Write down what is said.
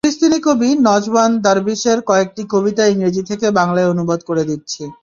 ফিলিস্তিনি কবি নজওয়ান দারবিশের কয়েকটি কবিতা ইংরেজি থেকে বাংলায় অনুবাদ করে দিচ্ছি।